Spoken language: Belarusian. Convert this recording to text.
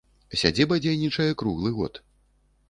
Сядзіба дзейнічае круглы год.